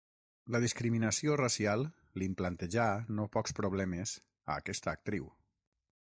La discriminació racial li'n plantejà no pocs problemes a aquesta actriu.